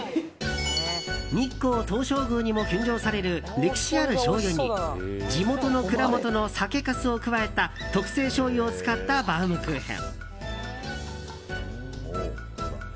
日光東照宮にも献上される歴史あるしょうゆに地元の蔵元の酒かすを加えた特製しょうゆを使ったバウムクーヘン。